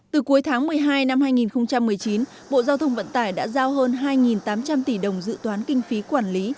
từ cuối tháng một mươi hai năm hai nghìn một mươi chín bộ giao thông vận tải đã giao hơn hai tám trăm linh tỷ đồng dự toán kinh phí quản lý